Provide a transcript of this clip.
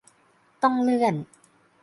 ต้องเลื่อน